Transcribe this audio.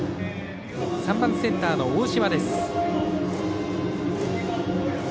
３番センターの大島。